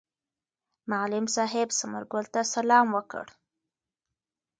معلم صاحب ثمر ګل ته سلام وکړ.